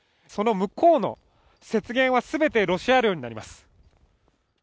その向こうの雪原はすべてロシア領になります。